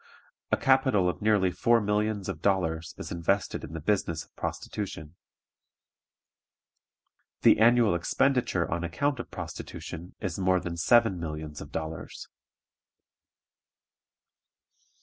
A capital of nearly four millions of dollars is invested in the business of prostitution. The annual expenditure on account of prostitution is more than seven millions of dollars.